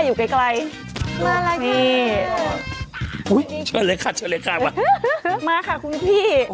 อยู่ไกลมาแล้วค่ะโอ้ยเชิญเลยค่ะมามาค่ะคุณพี่